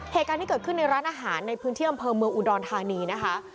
เหตุการณ์ที่เกิดขึ้นในร้านอาหารในพื้นที่อำเภอเมืองอุดรธานีนะคะ